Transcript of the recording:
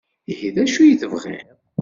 Ihi d acu i tebɣiḍ?